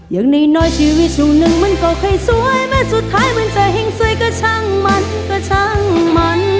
อย่างน้อยชีวิตช่วงหนึ่งมันก็ค่อยสวยแม้สุดท้ายมันจะแห่งสวยก็ช่างมันก็ช่างมัน